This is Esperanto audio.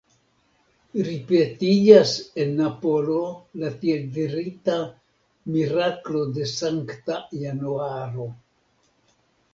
Ripetiĝas en Napolo la tiel dirita «miraklo de Sankta Januaro».